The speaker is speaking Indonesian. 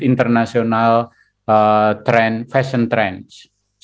yang dekat dengan tren fesyen internasional